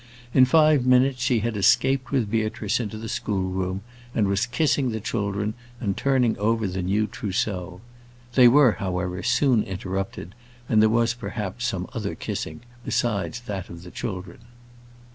In five minutes she had escaped with Beatrice into the school room, and was kissing the children, and turning over the new trousseau. They were, however, soon interrupted, and there was, perhaps, some other kissing besides that of the children.